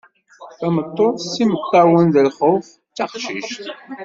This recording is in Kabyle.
Tameṭṭut s yimeṭṭawen d lxuf: D taqcict.